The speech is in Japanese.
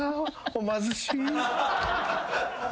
お貧しい。